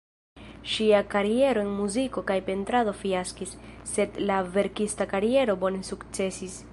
Ŝia kariero en muziko kaj pentrado fiaskis, sed la verkista kariero bone sukcesis.